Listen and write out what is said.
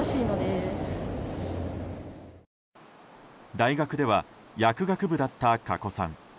大学では薬学部だった加古さん。